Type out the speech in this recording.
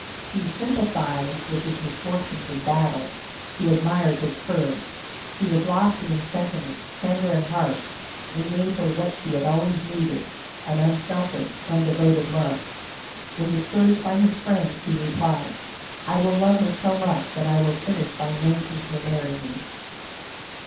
She sympathized with his misfortunes in battle; she admired his courage. He was lofty in sentiments, tender in heart, and gave her what she had always needed, an unselfish and devoted love. When discouraged by his friends, he replied, "I will love her so much that I will finish by making her marry me."